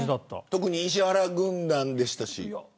特に石原軍団でしたし。